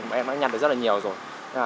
mọi em đã nhặt được rất là nhiều rồi